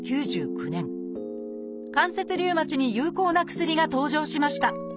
関節リウマチに有効な薬が登場しました。